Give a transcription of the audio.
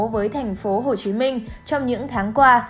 với tp hcm trong những tháng qua